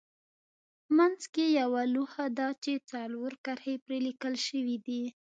منځ کې یوه لوحه ده چې څلور کرښې پرې لیکل شوې دي.